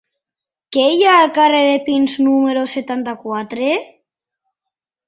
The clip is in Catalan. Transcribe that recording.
Què hi ha al carrer de Pins número setanta-quatre?